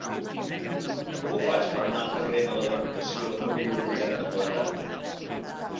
Com ho faig per anar al carrer de la Diputació número vuitanta-quatre?